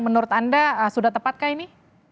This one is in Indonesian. menurut anda sudah tepatkah ini